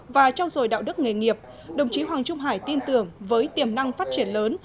và trao dồi đạo đức nghề nghiệp đồng chí hoàng trung hải tin tưởng với tiềm năng phát triển lớn